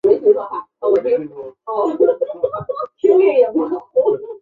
首府苏博蒂察。